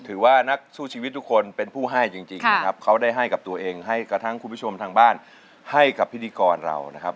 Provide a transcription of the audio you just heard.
ถือว่านักสู้ชีวิตทุกคนเป็นผู้ให้จริงนะครับเขาได้ให้กับตัวเองให้กับทั้งคุณผู้ชมทางบ้านให้กับพิธีกรเรานะครับ